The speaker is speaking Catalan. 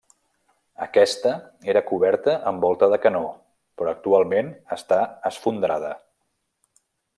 Aquesta era coberta amb volta de canó, però actualment està esfondrada.